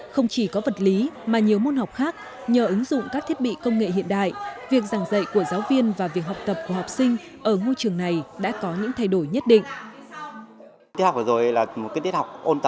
không chỉ có vật lý mà nhiều môn học khác nhờ ứng dụng các thiết bị công nghệ hiện đại việc giảng dạy của giáo viên và việc học tập của học sinh ở ngôi trường này đã có những thay đổi nhất định